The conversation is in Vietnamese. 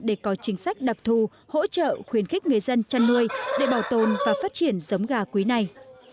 để có chính sách đặc thù hỗ trợ khuyến khích người dân chăn nuôi để bảo tồn và phát triển giống gà quý này